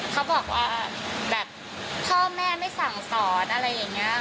เขาบอกว่าแบบพ่อแม่ไม่สั่งสอนอะไรอย่างนี้